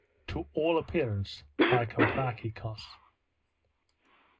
To all appearance by Comprachicos.